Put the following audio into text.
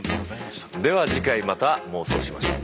では次回また妄想しましょう。